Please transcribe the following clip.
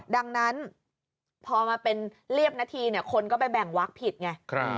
ดังนั้นพอมาเป็นเรียบนาทีคนก็ไปแบ่งวักผิดไง